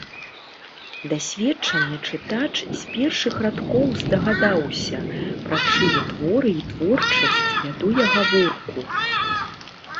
Дасведчаны чытач з першых радкоў здагадаўся, пры чые творы і творчасць вяду я гаворку.